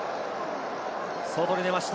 外に出ました。